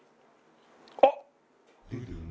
あっ！